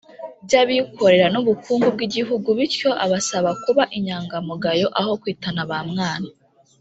by abikorera n ubukungu bw Igihugu bityo abasaba kuba inyangamugayo aho kwitana bamwana